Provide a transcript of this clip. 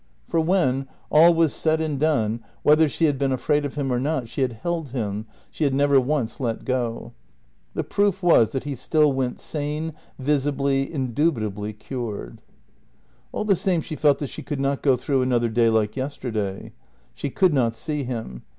For, when all was said and done, whether she had been afraid of him or not, she had held him, she had never once let go. The proof was that he still went sane, visibly, indubitably cured. All the same she felt that she could not go through another day like yesterday. She could not see him.